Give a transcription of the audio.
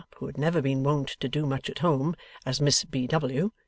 who had never been wont to do too much at home as Miss B. W.